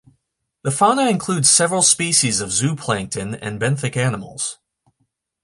The fauna includes several species of zooplankton and benthic animals.